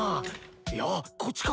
いやこっちか？